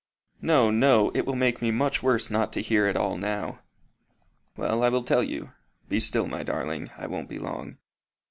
"No, no. It will make me much worse not to hear it all now." "Well, I will tell you. Be still, my darling, I won't be long.